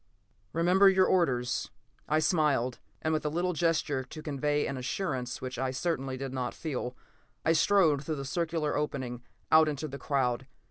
"Remember your orders," I smiled, and with a little gesture to convey an assurance which I certainly did not feel, I strode through the circular opening out into the crowd.